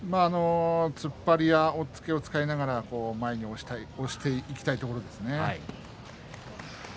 突っ張りや押っつけを使いながら前に押していきたいところですね。